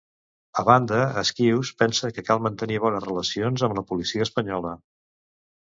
A banda, Esquius pensa que cal mantenir bones relacions amb la policia espanyola.